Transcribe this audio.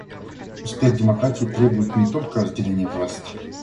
Успех демократии требует не только разделения власти.